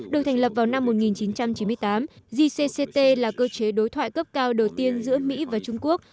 được thành lập vào năm một nghìn chín trăm chín mươi tám gcct là cơ chế đối thoại cấp cao đầu tiên giữa mỹ và trung quốc